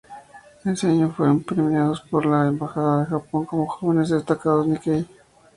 En ese año fueron premiados por la Embajada de Japón como "Jóvenes destacados Nikkei".